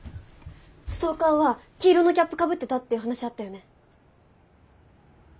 ストーカーは黄色のキャップかぶってたって話あったよね？